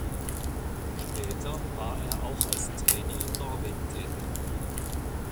Später war er auch als Trainer in Norwegen tätig.